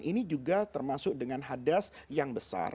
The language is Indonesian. ini juga termasuk dengan hadas yang besar